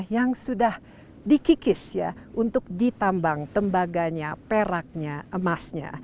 yang sudah dikikis ya untuk ditambang tembaganya peraknya emasnya